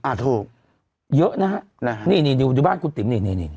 อ่าถูกเยอะนะฮะนะฮะนี่นี่อยู่บ้านกุ๊บติ๋มนี่นี่นี่